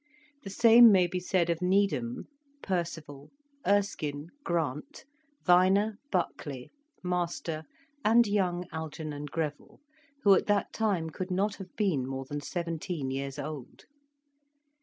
The same may be said of Needham, Percival, Erskine, Grant, Vyner, Buckley, Master, and young Algernon Greville, who at that time could not have been more than seventeen years old.